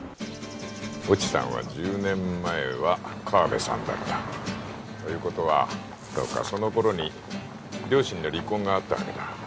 越智さんは１０年前は河部さんだったということはそうかその頃に両親の離婚があったわけだ